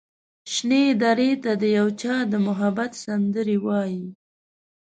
شنې درې ته د یو چا د محبت سندرې وايي